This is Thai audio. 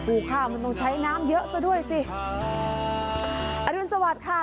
ข้าวมันต้องใช้น้ำเยอะซะด้วยสิอรุณสวัสดิ์ค่ะ